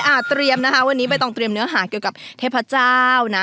เตรียมนะคะวันนี้ใบตองเตรียมเนื้อหาเกี่ยวกับเทพเจ้านะ